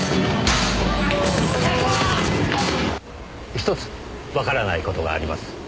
一つわからない事があります。